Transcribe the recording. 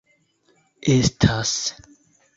Estas...